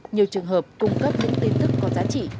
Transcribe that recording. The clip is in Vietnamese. nhiều trường hợp cung cấp những tin tức có giá trị